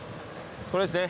これですね。